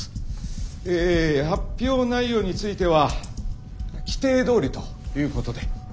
え発表内容については規定どおりということで。